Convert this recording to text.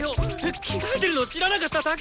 着替えてるの知らなかっただけだっての！